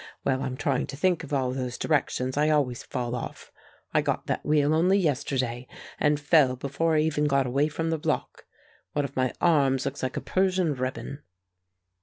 While I'm trying to think of all those directions I always fall off. I got that wheel only yesterday, and fell before I even got away from the block. One of my arms looks like a Persian ribbon."